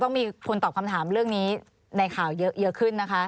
มีคนตอบคำถามเรื่องนี้ในข่าวเยอะขึ้นนะคะ